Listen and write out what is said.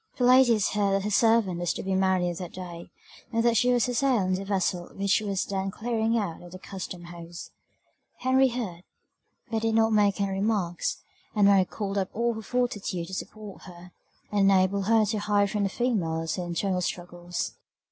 The ladies heard that her servant was to be married that day, and that she was to sail in the vessel which was then clearing out at the Custom house. Henry heard, but did not make any remarks; and Mary called up all her fortitude to support her, and enable her to hide from the females her internal struggles.